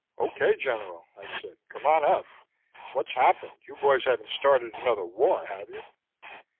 "OK, General," I said. "Come on up. What's happened? You boys haven't started another war, have you?"